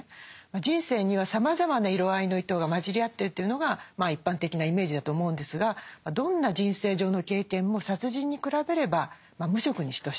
人生にはさまざまな色合いの糸が混じり合ってるというのが一般的なイメージだと思うんですがどんな人生上の経験も殺人に比べれば無色に等しい。